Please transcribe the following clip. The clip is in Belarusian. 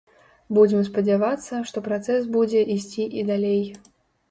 Будзем спадзявацца, што працэс будзе ісці і далей.